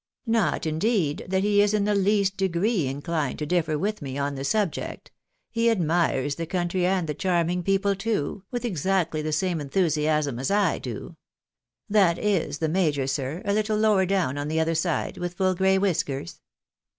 Not, indeed, that he is in the least degree inclined to differ with me on the subject ; he admires the country, and the charming people too, with exactly the same enthusiasm as I do. That is the major, sir, a little lower down on the other side, with full gray whiskers.